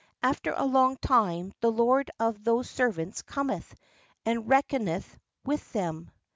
After a long time the lord of those servants cometh, and reckoneth with them.